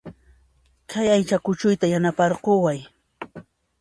Kay aycha kuchuyta yanaparqukuway